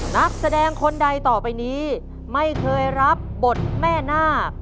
นักแสดงคนใดต่อไปนี้ไม่เคยรับบทแม่นาค